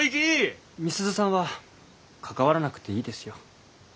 美鈴さんは関わらなくていいですよ。